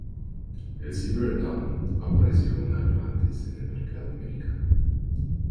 El Silver Dawn apareció un año antes en el mercado americano.